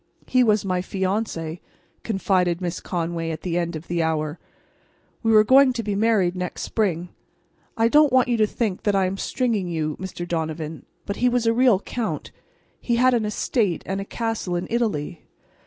"He was my fiance," confided Miss Conway, at the end of an hour. "We were going to be married next spring. I don't want you to think that I am stringing you, Mr. Donovan, but he was a real Count. He had an estate and a castle in Italy.